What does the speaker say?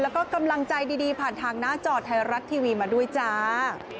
แล้วก็กำลังใจดีผ่านทางหน้าจอไทยรัฐทีวีมาด้วยจ้า